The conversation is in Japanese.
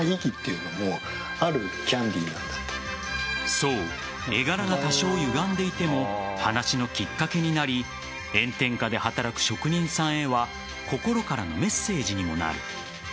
そう、絵柄が多少ゆがんでいても話のきっかけになり炎天下で働く職人さんへは心からのメッセージにもなる。